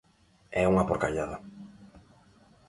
É unha porcallada.